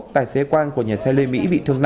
tài xế quang của nhà xe lê mỹ